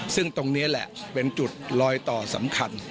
ซึ่งตรงนี้แหละเป็นจุดลอยต่อสำคัญ